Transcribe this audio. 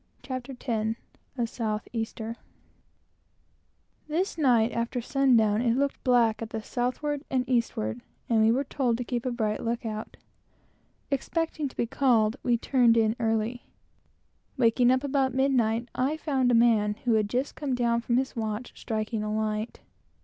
CHAPTER X A SOUTH EASTER PASSAGE UP THE COAST This night, after sundown, it looked black at the southward and eastward, and we were told to keep a bright look out. Expecting to be called up, we turned in early. Waking up about midnight, I found a man who had just come down from his watch, striking a light.